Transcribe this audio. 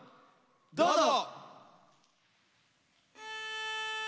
どうぞ！